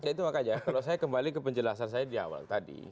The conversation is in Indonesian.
ya itu makanya kalau saya kembali ke penjelasan saya di awal tadi